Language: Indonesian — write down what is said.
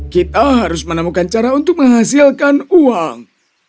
kita harus menemukan cara untuk menghasilkan uang